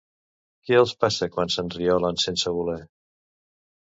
Què els passa quan s'enriolen sense voler?